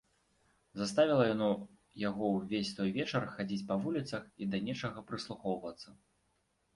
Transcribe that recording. Заставіла яно яго ўвесь той вечар хадзіць па вуліцах і да нечага прыслухоўвацца.